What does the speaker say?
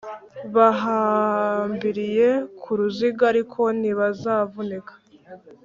bahambiriye ku ruziga, ariko ntibazavunika;